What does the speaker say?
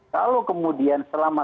kalau kemudian selama